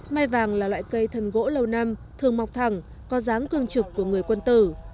mai vàng là loại cây thân gỗ lâu năm thường mọc thẳng có dáng cương trực của người quân tử